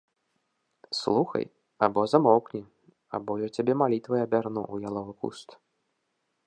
Слухай, або замоўкні, або я цябе малітвай абярну ў яловы куст.